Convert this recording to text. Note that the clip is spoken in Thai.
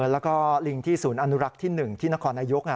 แล้วก็ลิงที่ศูนย์อนุรักษ์ที่๑ที่นครนายก